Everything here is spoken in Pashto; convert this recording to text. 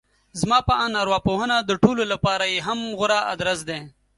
زما په اند ارواپوهنه د ټولو لپاره يې هم غوره ادرس دی.